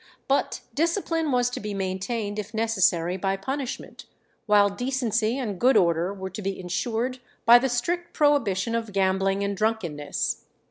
But discipline was to be maintained if necessary by punishment, while decency and good order were to be insured by the strict prohibition of gambling and drunkenness.